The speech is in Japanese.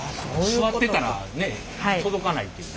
座ってたらね届かないっていう。